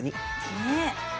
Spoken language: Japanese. ねえ。